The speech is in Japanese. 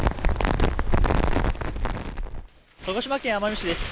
鹿児島県奄美市です。